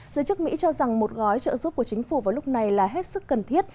giới chức mỹ cho rằng một gói trợ giúp của chính phủ vào lúc này là hết sức cần thiết